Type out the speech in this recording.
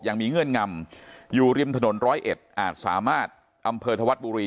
เงื่อนงำอยู่ริมถนนร้อยเอ็ดอาจสามารถอำเภอธวัฒน์บุรี